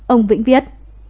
ông vĩnh viết